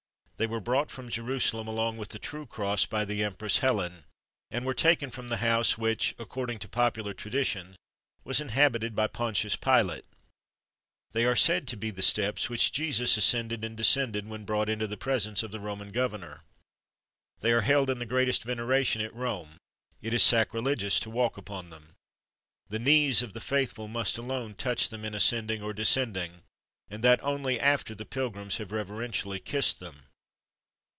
They were brought from Jerusalem along with the true cross, by the Empress Helen, and were taken from the house which, according to popular tradition, was inhabited by Pontius Pilate. They are said to be the steps which Jesus ascended and descended when brought into the presence of the Roman governor. They are held in the greatest veneration at Rome: it is sacrilegious to walk upon them. The knees of the faithful must alone touch them in ascending or descending, and that only after the pilgrims have reverentially kissed them.